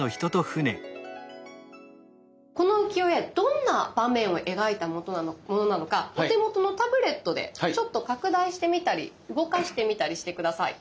この浮世絵どんな場面を描いたものなのかお手元のタブレットでちょっと拡大してみたり動かしてみたりして下さい。